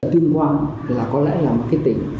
tuyên quang có lẽ là một tỉnh